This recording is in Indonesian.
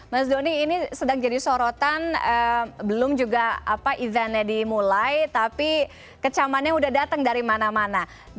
mas doni ini sedang jadi sorotan belum juga eventnya dimulai tapi kecamannya udah datang dari mana mana